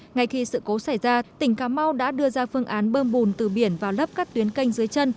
ngay khi sự cố xảy ra tỉnh cà mau đã đưa ra phương án bơm bùn từ biển vào lớp các tuyến canh dưới chân